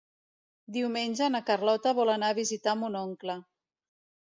Diumenge na Carlota vol anar a visitar mon oncle.